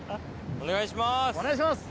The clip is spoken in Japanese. お願いします！